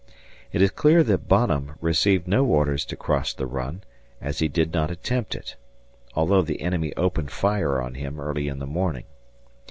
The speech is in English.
It is clear that Bonham received no orders to cross the Run, as he did not attempt it, although the enemy opened fire on him early in the morning.